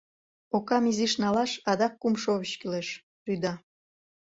— Окам изиш налаш, адак кум шовыч кӱлеш, — рӱда.